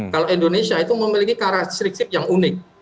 kalau indonesia itu memiliki karakteristik yang unik